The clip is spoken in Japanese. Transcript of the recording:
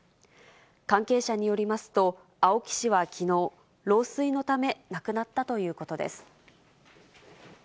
関係者によりますと、青木氏はきのう、老衰のため、亡くなったということです。